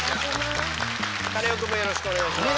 カネオくんもよろしくお願いします。